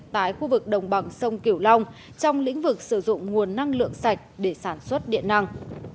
tại khu vực đồng bằng sông kiểu long trong lĩnh vực sử dụng nguồn năng lượng sạch để sản xuất điện năng